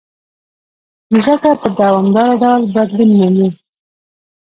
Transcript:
مځکه په دوامداره ډول بدلون مومي.